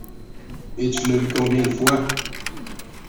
Et tu l'as vu combien de fois?